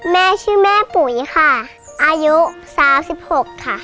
แม่ชื่อแม่ปุ๋ยค่ะอายุ๓๖ค่ะ